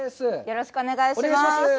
よろしくお願いします。